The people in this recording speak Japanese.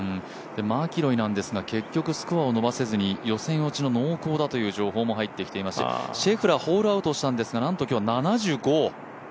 マキロイなんですが結局スコアをのばせずに予選落ち濃厚だという情報も入ってきますしシェフラーはホールアウトしたんですが、なんと今日７５。